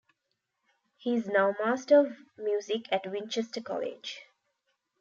He is now Master of Music at Winchester College.